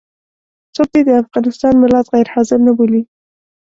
څوک دې د افغانستان ملت غير حاضر نه بولي.